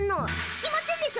決まってんでしょ！